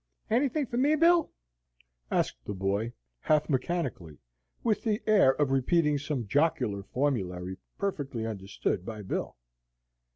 "Anything for me, Bill?" asked the boy, half mechanically, with the air of repeating some jocular formulary perfectly understood by Bill.